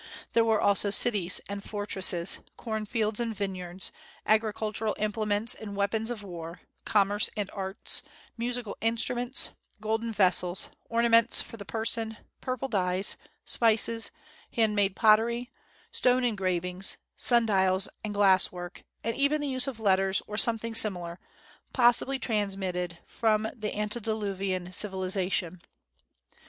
There were also cities and fortresses, cornfields and vineyards, agricultural implements and weapons of war, commerce and arts, musical instruments, golden vessels, ornaments for the person, purple dyes, spices, hand made pottery, stone engravings, sundials, and glass work, and even the use of letters, or something similar, possibly transmitted from the antediluvian civilization.